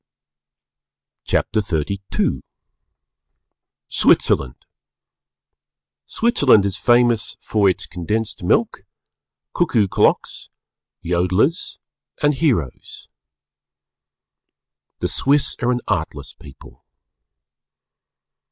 CHAPTER XXXII SWITZERLAND Switzerland is famous for its Condensed Milk, Cuckoo Clocks, Yodelers, and Heroes. The Swiss are an Artless people.